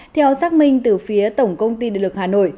theo xác minh từ phía tổng công ty địa lực hà nội